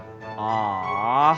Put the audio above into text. ya beli atuh